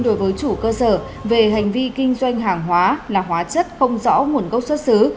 đối với chủ cơ sở về hành vi kinh doanh hàng hóa là hóa chất không rõ nguồn gốc xuất xứ